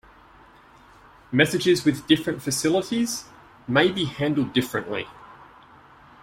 Messages with different facilities may be handled differently.